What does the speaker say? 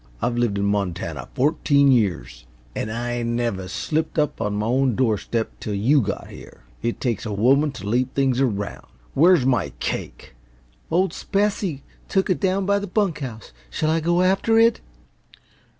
I've lived in Montana fourteen years, an' I never slipped up on my own doorstep till you got here. It takes a woman t' leave things around where's my cake?" "Old Specie took it down by the bunk house. Shall I go after it?"